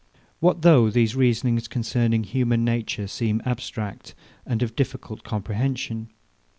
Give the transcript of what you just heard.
10. What though these reasonings concerning human nature seem abstract, and of difficult comprehension?